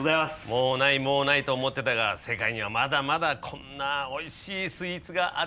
もうないもうないと思ってたが世界にはまだまだこんなおいしいスイーツがあるんだな。